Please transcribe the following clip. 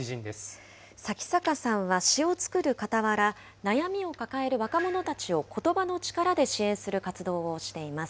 向坂さんは詩を作るかたわら、悩みを抱える若者たちをことばの力で支援する活動をしています。